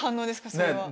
それは。